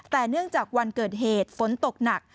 แต่เนื่องจากวันเกิดเหตุฝนตกหนัก